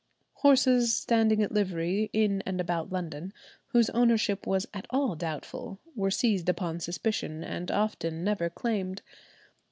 Horses standing at livery in and about London, whose ownership was at all doubtful, were seized on suspicion, and often never claimed.